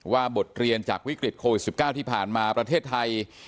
บทเรียนจากวิกฤตโควิด๑๙ที่ผ่านมาประเทศไทย